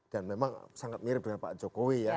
dan memang sangat mirip dengan pak jokowi ya